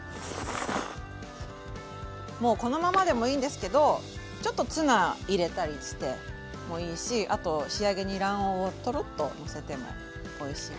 もうこのままでもいいんですけどちょっとツナ入れたりしてもいいしあと仕上げに卵黄をトロッとのせてもおいしい。